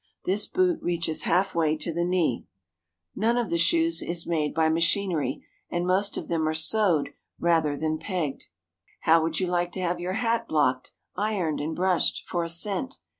This boot reaches half way to the knee. None of the shoes is made by machinery, and most of them are sewed rather than pegged. How would you like to have your hat blocked, ironed, and brushed for a cent?